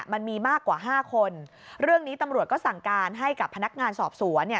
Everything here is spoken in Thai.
มันมีมากกว่าห้าคนเรื่องนี้ตำรวจก็สั่งการให้กับพนักงานสอบสวนเนี่ย